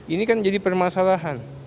ini kan jadi permasalahan